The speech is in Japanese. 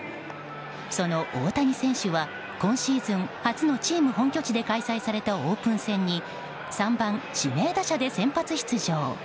その大谷選手は、今シーズン初のチーム本拠地で開催されたオープン戦に３番指名打者で先発出場。